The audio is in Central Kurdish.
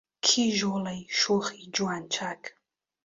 کیژۆڵەی شۆخی جوان چاک